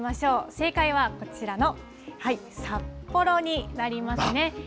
正解はこちらの、札幌になりますね。